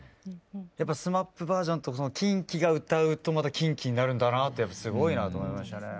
やっぱＳＭＡＰバージョンとＫｉｎＫｉが歌うとまたＫｉｎＫｉになるんだなってすごいなと思いましたね。